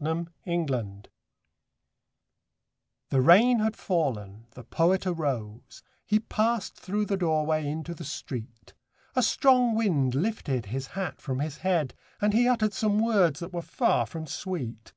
THE POET'S HAT The rain had fallen, the Poet arose, He passed through the doorway into the street, A strong wind lifted his hat from his head, And he uttered some words that were far from sweet.